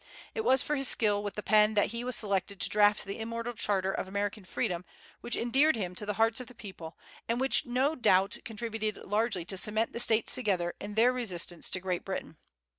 It was for his skill with the pen that he was selected to draft the immortal charter of American freedom, which endeared him to the hearts of the people, and which no doubt contributed largely to cement the States together in their resistance to Great Britain.